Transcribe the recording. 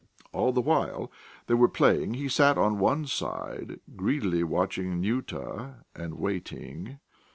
All the while they were playing he sat on one side, greedily watching Nyuta and waiting....